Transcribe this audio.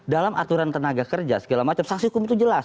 dalam aturan tenaga kerja segala macam sanksi hukum itu jelas